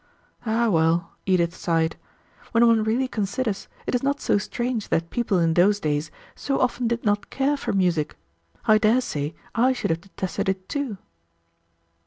"Ah, well," Edith sighed, "when one really considers, it is not so strange that people in those days so often did not care for music. I dare say I should have detested it, too."